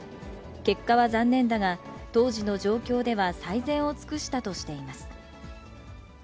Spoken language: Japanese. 結果は残念だが、当時の状況では最善を尽くしたとしています。